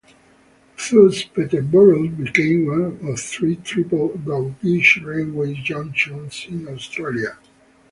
Thus Peterborough became one of three, triple-gauge railway junctions in Australia.